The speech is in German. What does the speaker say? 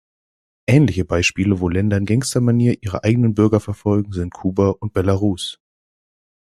Ähnliche Beispiele, wo Länder in Gangstermanier ihre eigenen Bürger verfolgen, sind Kuba und Belarus.